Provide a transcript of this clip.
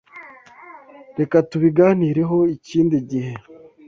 Reka tubiganireho ikindi gihe.